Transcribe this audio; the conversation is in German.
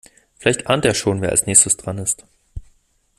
Vielleicht ahnt er schon, wer als nächstes dran ist.